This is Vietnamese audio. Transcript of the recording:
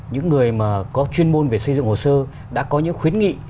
những người mà có chuyên môn về xây dựng hồ sơ đã có những khuyến nghị